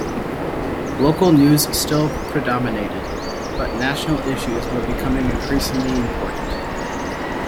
Local news still predominated, but national issues were becoming increasingly important.